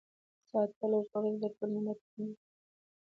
ساتل او ژغورل یې هم د ټول ملت دنده ده.